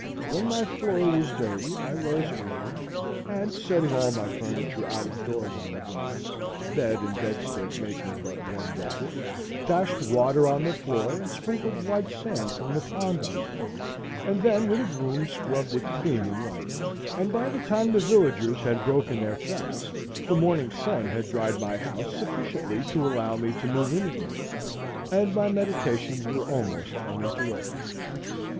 When my floor was dirty, I rose early, and, setting all my furniture out of doors on the grass, bed and bedstead making but one budget, dashed water on the floor, and sprinkled white sand from the pond on it, and then with a broom scrubbed it clean and white; and by the time the villagers had broken their fast the morning sun had dried my house sufficiently to allow me to move in again, and my meditations were almost uninterupted.